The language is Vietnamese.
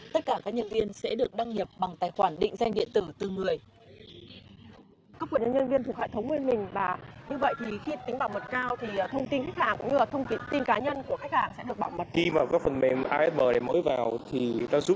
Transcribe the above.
tất cả các nhân viên sẽ được đăng nhập bằng tài khoản định danh điện tử từ một mươi